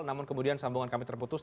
namun kemudian sambungan kami terputus